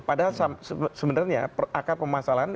padahal sebenarnya akar pemasalahan